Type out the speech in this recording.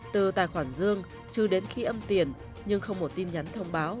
từ tài khoản dương chứ đến khi âm tiền nhưng không một tin nhắn thông báo